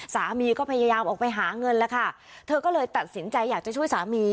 สามีก็พยายามออกไปหาเงินแล้วค่ะเธอก็เลยตัดสินใจอยากจะช่วยสามี